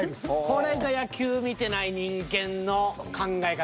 これが野球見てない人間の考え方。